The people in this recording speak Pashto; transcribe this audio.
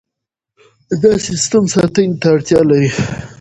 دا سیستم ساتنې ته اړتیا لري.